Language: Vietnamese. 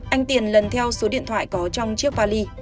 anh tiền lần theo số điện thoại có trong chiếc vali